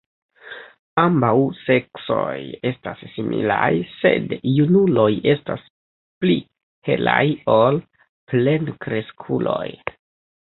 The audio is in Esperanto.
Ambaŭ seksoj estas similaj, sed junuloj estas pli helaj ol plenkreskuloj.